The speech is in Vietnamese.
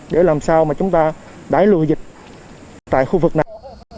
để làm sao mà chúng ta đẩy lùi dịch tại khu vực này